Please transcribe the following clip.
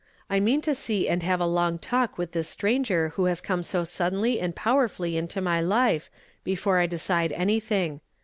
I mean to see and have a long talk with this stranger who has come so suddenly and powerfully into my life, before I decide anything.